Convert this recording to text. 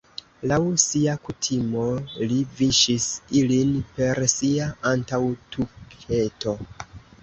Laŭ sia kutimo li viŝis ilin per sia antaŭtuketo.